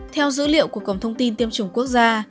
theo dữ liệu của cổng thông tin tiêm chủng quốc gia